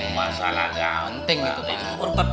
masalahnya penting gitu pak